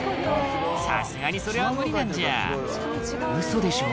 さすがにそれは無理なんじゃウソでしょ？